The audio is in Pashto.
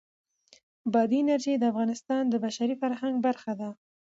بادي انرژي د افغانستان د بشري فرهنګ برخه ده.